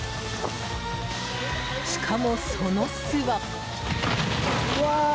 しかも、その巣は。